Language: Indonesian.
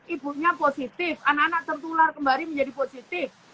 ibunya positif anak anak tertular kembali menjadi positif